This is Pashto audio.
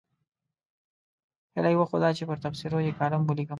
هیله یې وښوده چې پر تبصرو یې کالم ولیکم.